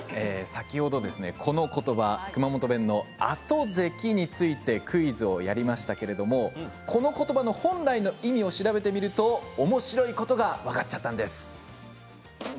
先ほど熊本弁のあとぜきについてクイズをやりましたけれどもこのことばの本来の意味を調べてみると、おもしろいことが分かっちゃったんです。